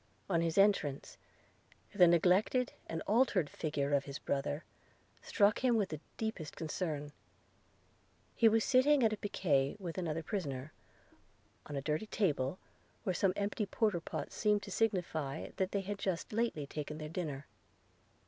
On his entrance, the neglected and altered figure of his brother struck him with the deepest concern – He was sitting at piquet with another prisoner, on a dirty table, where some empty porter pots seemed to signify that they had lately taken their dinner.